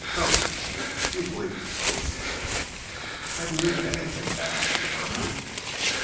Ghost? Do you believe in ghosts?" "I believe in anything now," she murmured.